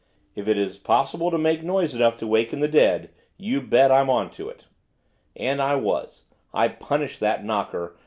If it is possible to make noise enough to waken the dead, you bet I'm on to it.' And I was, I punished that knocker!